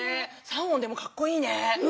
３音でもかっこいいね。